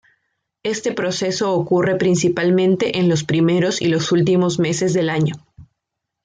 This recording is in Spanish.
Este proceso ocurre principalmente en los primeros y los últimos meses del año.